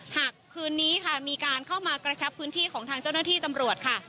หากคืนนี้ค่ะมีการเข้ามากระชับพื้นที่ของทางเจ้าหน้าที่ตำรวจค่ะ